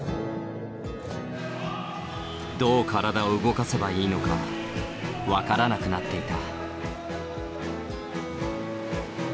どう体を動かせばいいのか分からなくなっていた。